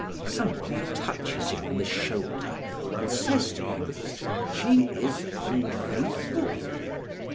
Some one touches him on the shoulder and says to him 'She is unfaithful.'